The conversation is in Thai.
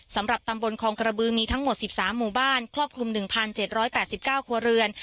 สำหรับตำบลคลองกระบือมีทั้งหมด๑๓หมู่บ้านครอบคลุม๑๗๘๙ครัวเรือน